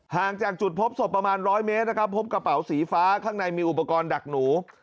ห่างจากจุดพบศพประมาณ๑๐๐เมตรนะครับพบกระเป๋าสีฟ้าข้างในมีอุปกรณ์ดักหนู